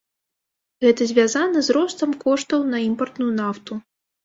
Гэта звязана з ростам коштаў на імпартную нафту.